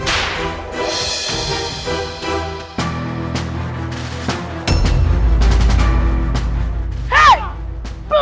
belas kali kau menjamu